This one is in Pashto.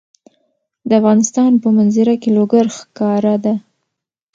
د افغانستان په منظره کې لوگر ښکاره ده.